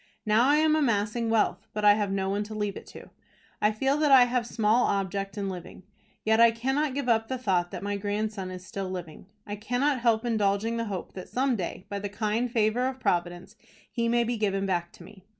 Now I am amassing wealth but I have no one to leave it to. I feel that I have small object in living. Yet I cannot give up the thought that my grandson is still living. I cannot help indulging the hope that some day, by the kind favor of Providence, he may be given back to me.